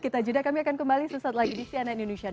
kita juga akan kembali sesuatu lagi di cnn indonesia newsroom